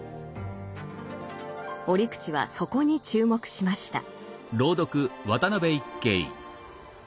折口はそこに注目しました。